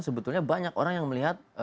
sebetulnya banyak orang yang melihat